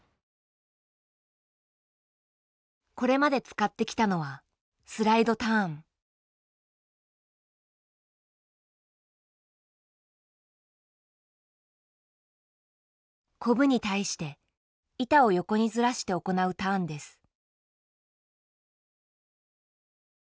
これまで使ってきたのはコブに対して板を横にずらして行うターンです。